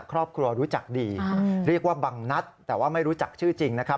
ครอบครัวรู้จักดีเรียกว่าบังนัดแต่ว่าไม่รู้จักชื่อจริงนะครับ